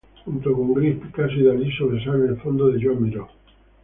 Junto con Gris, Picasso y Dalí, sobresale el fondo de Joan Miró.